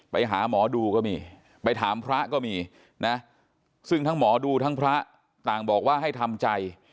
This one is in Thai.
ไปหาหมอดูก็มีไปถามพระก็มีนะซึ่งทั้งหมอดูทั้งพระต่างบอกว่าให้ทำใจ